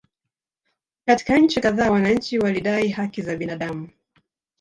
Katika nchi kadhaa wananchi walidai haki za binadamu